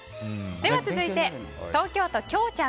では、続いて東京都の方。